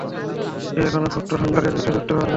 সে কখনোই ছোট্ট থান্ডারের পিঠে চড়তে পারবে না।